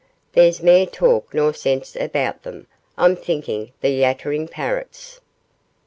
There's mair talk nor sense aboot them, I'm thinkin' the yattering parrots.